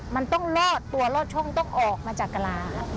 มันต้องลอดตัวรอดช่องต้องออกมาจากกระลา